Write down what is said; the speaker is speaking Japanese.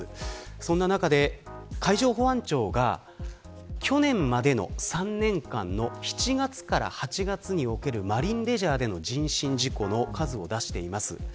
そんな中で海上保安庁が去年までの３年間の７月から８月におけるマリンレジャーでの人身事故の数を出しています。